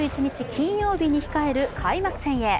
金曜日に控える開幕戦へ。